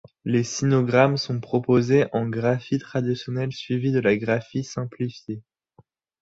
Les sinogrammes sont proposés en graphie traditionnelle suivie de la graphie simplifiée.